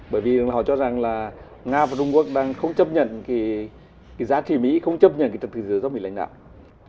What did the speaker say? bởi vì họ cho rằng là nga và trung quốc đang không chấp nhận cái giá trị mỹ không chấp nhận cái thực thế giới do vị lãnh đạo